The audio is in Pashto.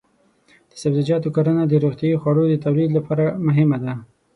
د سبزیجاتو کرنه د روغتیايي خوړو د تولید لپاره مهمه ده.